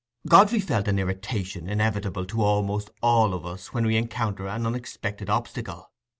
Godfrey felt an irritation inevitable to almost all of us when we encounter an unexpected obstacle.